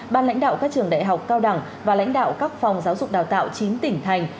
ban lãnh đạo các trường đại học cao đẳng và lãnh đạo các phòng giáo dục đào tạo chín tỉnh thành